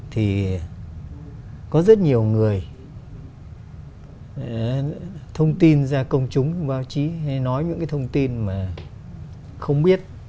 thì có rất nhiều người thông tin ra công chúng báo chí hay nói những cái thông tin mà không biết